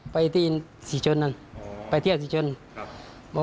ไปที่สี่ชนนั่นอ๋อไปเที่ยวสี่ชนครับ